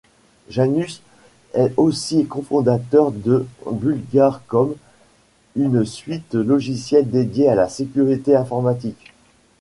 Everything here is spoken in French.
Janus est aussi cofondateur de Bullguard.com, une suite logicielle dédiée à la sécurité informatique.